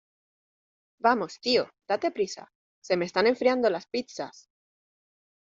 ¡ Vamos, tío , date prisa! ¡ se me están enfriando las pizzas !